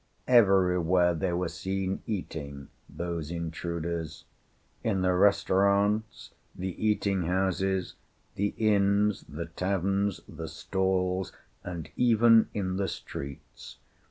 Everywhere they were seen eating, those intruders in the restaurants, the eating houses, the inns, the taverns, the stalls, and even in the streets.